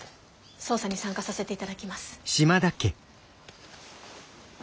捜査に参加させて頂きます。